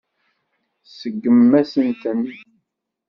Tseggem-asent-ten.